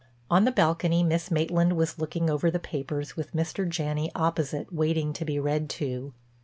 On the balcony Miss Maitland was looking over the papers with Mr. Janney opposite waiting to be read to.